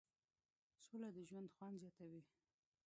سوله د ژوند خوند زیاتوي.